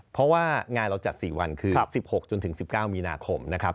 เพราะว่างานเราจัด๔วันคือ๑๖จนถึง๑๙มีนาคมนะครับ